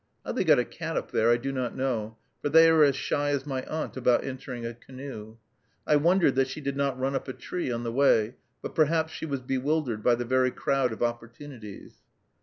How they got a cat up there I do not know, for they are as shy as my aunt about entering a canoe. I wondered that she did not run up a tree on the way; but perhaps she was bewildered by the very crowd of opportunities.